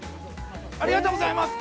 ありがとうございます。